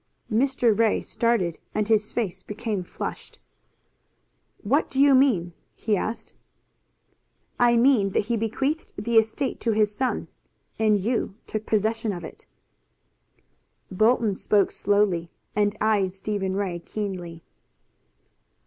Mr. Ray started, and his face became flushed. "What do you mean?" he asked. "I mean that he bequeathed the estate to his son, and you took possession of it." Bolton spoke slowly, and eyed Stephen Ray keenly.